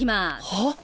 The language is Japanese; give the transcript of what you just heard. はっ？